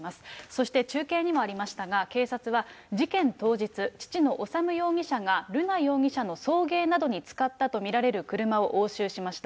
そして中継にもありましたが、警察は事件当日、父の修容疑者が瑠奈容疑者の送迎などに使ったと見られる車を押収しました。